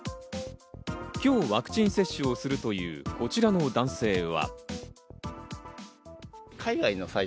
今日、ワクチン接種をするという、こちらの男性は。